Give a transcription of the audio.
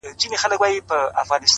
خو وخته لا مړ سوى دی ژوندى نـه دی،